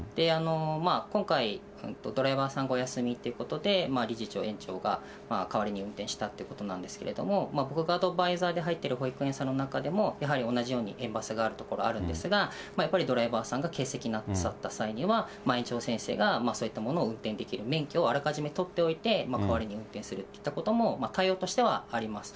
今回、ドライバーさんがお休みということで、理事長、園長が代わりに運転したということなんですけれども、僕がアドバイザーで入っている保育園さんの中でも、やはり同じように園バスがあるところ、あるんですが、やっぱりドライバーさんが欠席なさった際には、園長先生がそういったものを運転できる免許をあらかじめ取っておいて、代わりに運転するといったことも、対応としてはあります。